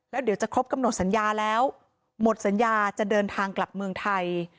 แล้วเดี๋ยวจะครบกำหนดสัญญาแล้วหมดสัญญาจะเดินทางกลับเมืองไทย